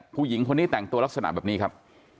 ผู้หญิงคนนี้แต่งตัวลักษณะแบบนี้ครับ